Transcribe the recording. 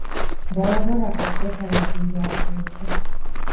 বরাবর একত্রে খেলা করিয়া আসিয়াছে।